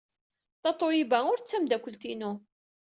Tatoeba ur d tameddakelt-inu.